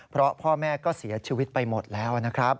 เพราะพ่อแม่ก็เสียชีวิตไปหมดแล้วนะครับ